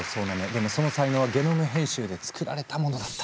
でもその才能はゲノム編集で作られたものだった。